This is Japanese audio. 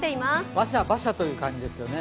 バシャバシャという感じですよね、